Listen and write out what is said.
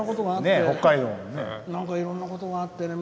いろんなことがあってね